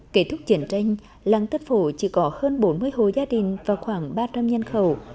kết thúc chiến tranh làng thất phổ chỉ có hơn bốn mươi hồ gia đình và khoảng ba trăm linh nhân khẩu